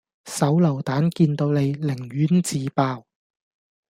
手榴彈見到你，情願自爆